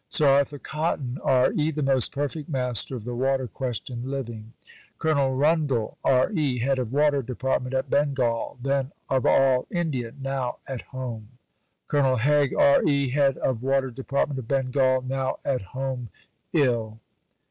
SIR ARTHUR COTTON, R.E.: The most perfect master of the water question living. COLONEL RUNDALL, R.E.: Head of Water Department of Bengal, then of all India; now at home. COLONEL HAIG, R.E.: Head of Water Department of Bengal; now at home ill.